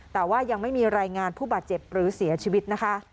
แต่ว่ายังไม่มีรายงานผู้บาดเจ็บหรือเสียชีวิตนะคะ